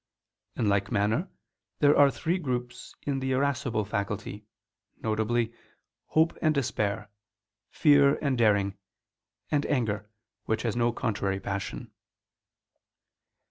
In like manner there are three groups in the irascible faculty; viz. hope and despair, fear and daring, and anger which has no contrary passion.